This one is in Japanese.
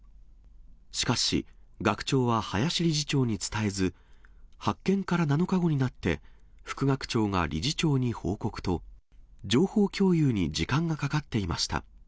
しかし、学長は林理事長に伝えず、発見から７日後になって、副学長が理事長に報告と、情報共有に時間がかかっていました。